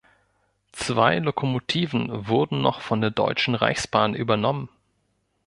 Zwei Lokomotiven wurden noch von der Deutschen Reichsbahn übernommen.